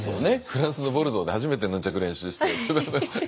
フランスのボルドーで初めてヌンチャク練習して。